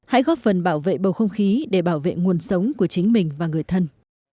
hãy góp phần bảo vệ bầu không khí để bảo vệ nguồn sống của chính mình và người thân